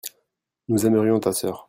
nous aimerions ta sœur.